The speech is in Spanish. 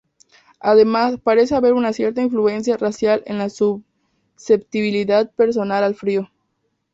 Además, parece haber una cierta influencia racial en la susceptibilidad personal al frío.